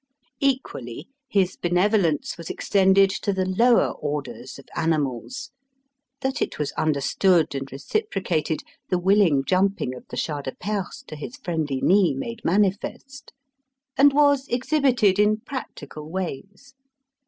Equally, his benevolence was extended to the lower orders of animals that it was understood, and reciprocated, the willing jumping of the Shah de Perse to his friendly knee made manifest and was exhibited in practical ways.